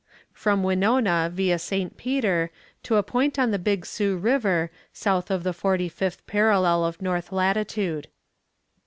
From Winona via St. Peter to a point on the Big Sioux river, south of the forty fifth parallel of north latitude.